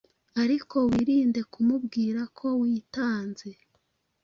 ariko wirinde kumubwira ko witanze